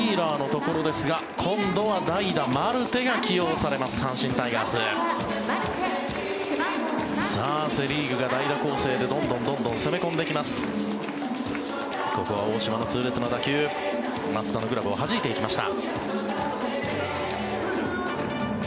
ここは大島の痛烈な打球松田のグラブをはじいていきました。